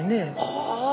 ああ。